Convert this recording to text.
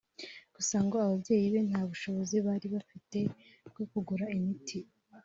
gusa ngo ababyeyi be nta bushobozi bari bafite bwo kugura imiti